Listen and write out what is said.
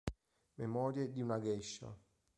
Memorie di una geisha